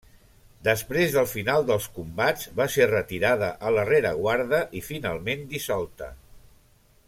Després del final dels combats va ser retirada a la rereguarda i finalment dissolta.